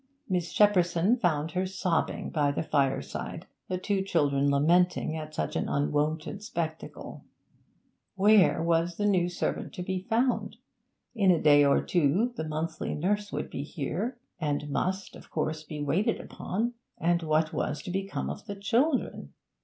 Miss Shepperson found her sobbing by the fireside, the two children lamenting at such an unwonted spectacle. Where was a new servant to be found? In a day or two the monthly nurse would be here, and must, of course, be waited upon. And what was to become of the children?